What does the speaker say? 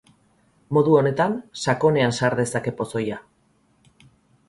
Modu honetan sakonean sar dezake pozoia.